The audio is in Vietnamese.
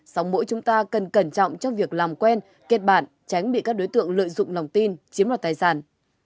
sau mỗi chúng ta cần cẩn trọng trong việc làm quen kết bản tránh bị các đối tượng lợi dụng lòng tin chiếm loạt tài sản